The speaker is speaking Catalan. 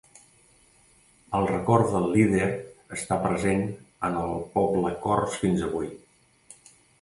El record del líder està present en el poble cors fins avui.